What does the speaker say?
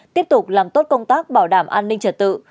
tiếp tục làm tốt công tác bảo đảm an ninh trật tự